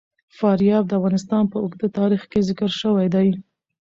فاریاب د افغانستان په اوږده تاریخ کې ذکر شوی دی.